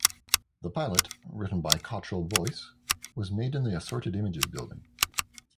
The pilot, written by Cottrell-Boyce, was made in the Assorted Images building.